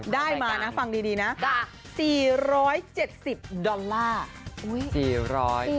ได้มานะฟังดีนะ๔๗๐ดอลลาร์